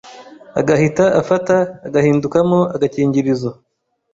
agahita afata agahindukamo agakingirizo.